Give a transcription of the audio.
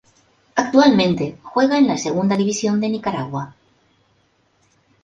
Actualmente juega en la Segunda División de Nicaragua.